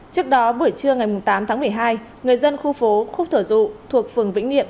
trước đó buổi trưa ngày tám tháng một mươi hai người dân khu phố khúc thở dụ thuộc phường vĩnh niệm